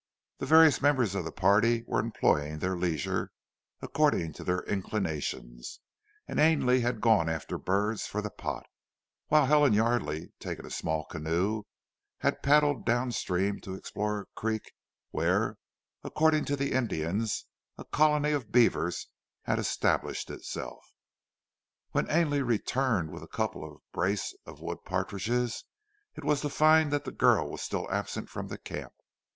The various members of the party were employing their leisure according to their inclinations, and Ainley had gone after birds for the pot, whilst Helen Yardely, taking a small canoe, had paddled down stream to explore a creek where, according to one of the Indians, a colony of beavers had established itself. When Ainley returned with a couple of brace of wood partridges it was to find that the girl was still absent from the camp.